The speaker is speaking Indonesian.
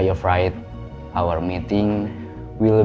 saya berharap pertemuan kita akan mulai lewat